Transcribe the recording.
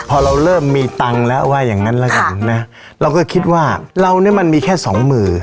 พอเราเริ่มมีตังค์แล้วว่าอย่างงั้นแล้วกันนะเราก็คิดว่าเราเนี่ยมันมีแค่สองมือ